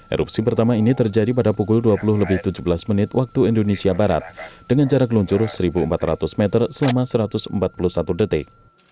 erupsi pertama ini terjadi pada pukul dua puluh lebih tujuh belas menit waktu indonesia barat dengan jarak luncur satu empat ratus meter selama satu ratus empat puluh satu detik